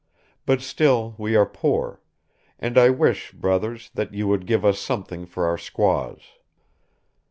But still we are poor; and I wish, brothers, that you would give us something for our squaws.'